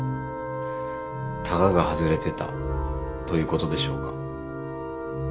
たがが外れてたということでしょうか。